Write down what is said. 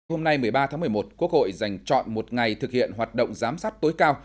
hôm nay một mươi ba tháng một mươi một quốc hội dành chọn một ngày thực hiện hoạt động giám sát tối cao